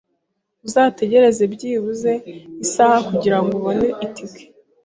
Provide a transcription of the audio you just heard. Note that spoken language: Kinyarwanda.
Uzategereza byibuze isaha kugirango ubone itike.